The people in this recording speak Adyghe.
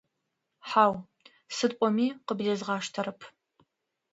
Хьау, сыд пӏоми къыбдезгъэштэщтэп.